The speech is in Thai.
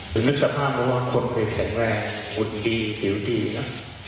ถึงนึกสภาพว่าคนเคยแข็งแรกหุ่นดีหิวดีนะ